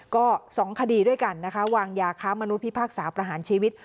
ก็๒คดีด้วยกันนะคะวางยาค้ามนุษย์พิพากษาประหารชีวิต